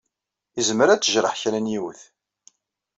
Izmer ad d-tejreḥ kra n yiwet.